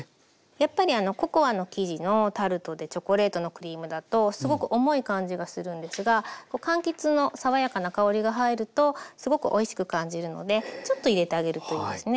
やっぱりココアの生地のタルトでチョコレートのクリームだとすごく重い感じがするんですが柑橘の爽やかな香りが入るとすごくおいしく感じるのでちょっと入れてあげるといいですね。